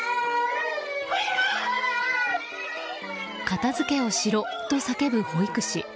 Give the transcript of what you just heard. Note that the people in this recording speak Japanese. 片づけをしろと叫ぶ保育士。